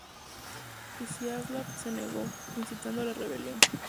Iziaslav se negó, incitando la rebelión.